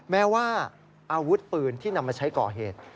แม้ว่าอาวุธปืนที่นำมาใช้ก่อเหตุ